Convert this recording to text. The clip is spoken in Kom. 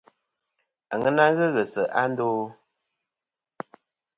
Aŋena ghɨ ghɨ se'a ndo ?